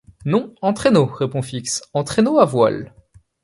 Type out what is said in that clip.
Non, en traîneau, répondit Fix, en traîneau à voiles.